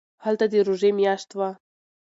هلته د روژې میاشت وه.